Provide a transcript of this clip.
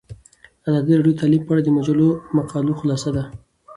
ازادي راډیو د تعلیم په اړه د مجلو مقالو خلاصه کړې.